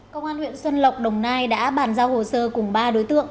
công an huyện xuân lộc đồng nai đã bàn giao hồ sơ cùng ba đối tượng